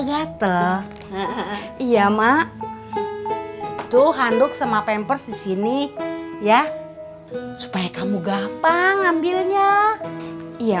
betel iya mak tuh handuk sama pembers disini ya supaya kamu gampang ambilnya iya